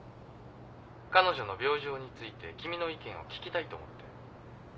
☎彼女の病状について君の意見を聞きたいと思って。